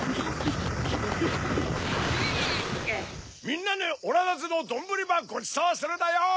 みんなにオラたちのどんぶりごちそうするだよ！